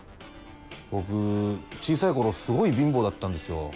僕小さい頃すごい貧乏だったんですよ。